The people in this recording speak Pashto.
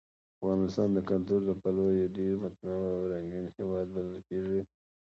افغانستان د کلتور له پلوه یو ډېر متنوع او رنګین هېواد بلل کېږي.